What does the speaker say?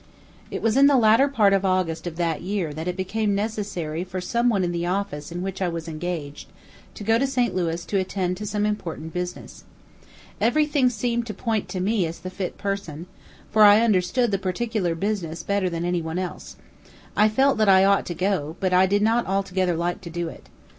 It was in the latter part of August of that year that it became necessary for some one in the office in which I was engaged to go to St. Louis to attend to important business. Everything seemed to point to me as the fit person, for I understood the particular business better than any one else. I felt that I ought to go, but I did not altogether like to do it.